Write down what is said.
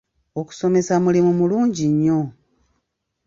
Okusomesa mulimu mulungi nnyo.